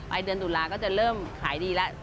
เดือนตุลาก็จะเริ่มขายดีแล้ว